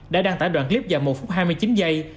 đã đăng tải đoạn clip dài một phút hai mươi chín giây